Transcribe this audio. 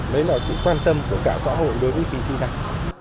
đấy là sự quan tâm của cả xã hội đối với kỳ thi này